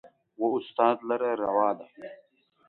و استاد لره روا ده